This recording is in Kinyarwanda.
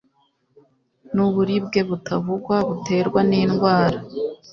n’uburibwe butavugwa buterwa n’indwara